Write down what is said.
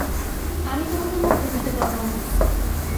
আমি তোমাকে মরতে দিতে পারবো না।